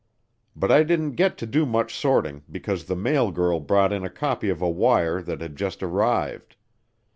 But I didn't get to do much sorting because the mail girl brought in a copy of a wire that had just arrived.